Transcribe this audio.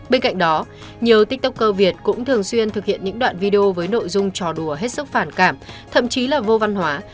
bên cạnh đó nhiều tiktok cơ việt cũng thường xuyên thực hiện những đoạn video với nội dung trò đùa hết sức phản cảm thậm chí là vô văn hóa